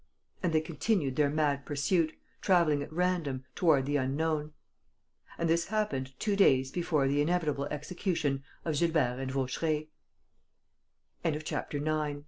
And they continued their mad pursuit, travelling at random, toward the unknown.... And this happened two days before the inevitable execution of Gilbert and Vaucheray. [